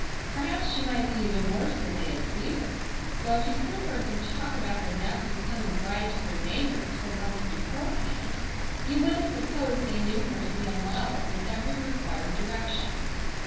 Perhaps she might be even worse than they had feared, though if you could have heard them talk about their nephew's coming bride to their neighbors for months beforehand, you would have supposed they knew her to be a model in every required direction.